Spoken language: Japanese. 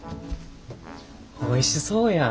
おいしそうやん。